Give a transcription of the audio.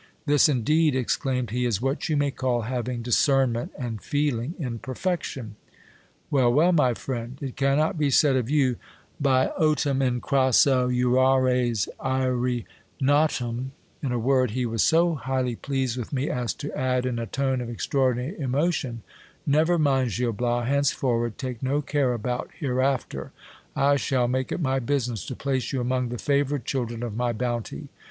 This, indeed, exclaimed he, is what you may call having discernment and feeling in perfection ! Well, well, my friend ! it cannot be said of you, Basotum in crasso jurares aere natum. In a word, he was so highly pleased with me, as to add in a tone of extraor dinary emotion — Never mind, Gil Bias ! henceforward take no care about here after ; I shall make it my business to place you among the favoured children of my bounty.